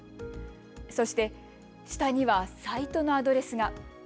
そして下にはサイトのアドレスが。